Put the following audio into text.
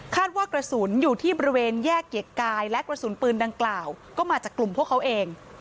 ว่ากระสุนอยู่ที่บริเวณแยกเกียรติกายและกระสุนปืนดังกล่าวก็มาจากกลุ่มพวกเขาเอง